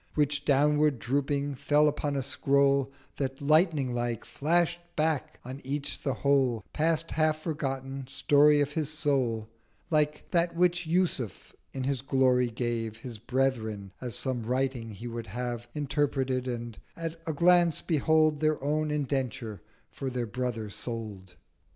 Which, downward dropping, fell upon a Scroll That, Lightning like, flash'd back on each the whole Past half forgotten Story of his Soul: Like that which Yusuf in his Glory gave His Brethren as some Writing he would have Interpreted; and at a Glance, behold Their own Indenture for their Brother sold!